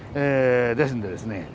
ですんでですね